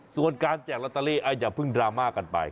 ส่วนการแจกลอตเตอรี่อย่าเพิ่งดราม่ากันไป